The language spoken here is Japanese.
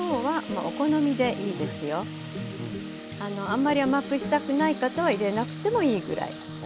あんまり甘くしたくない方は入れなくてもいいぐらい。